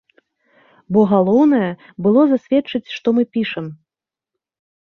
Бо галоўнае было засведчыць, што мы пішам.